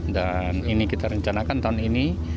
dan ini kita rencanakan tahun ini